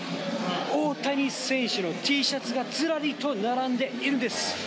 大谷選手のＴシャツがずらりと並んでいるんです。